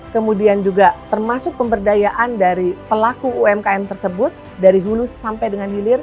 kemudian juga termasuk pemberdayaan dari pelaku umkm tersebut dari hulu sampai dengan hilir